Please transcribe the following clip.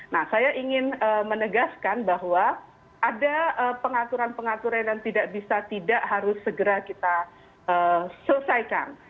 nah saya ingin menegaskan bahwa ada pengaturan pengaturan yang tidak bisa tidak harus segera kita selesaikan